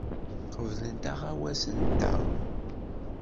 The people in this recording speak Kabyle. Qeblent aɣawas-nteɣ.